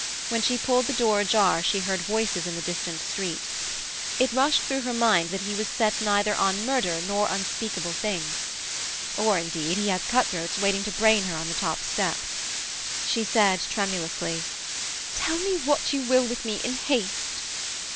When she pulled the door ajar she heard voices in the distant street. It rushed through her mind that he was set neither on murder nor unspeakable things. Or, indeed, he had cut throats waiting to brain her on the top step. She said tremulously: 'Tell me what you will with me in haste!'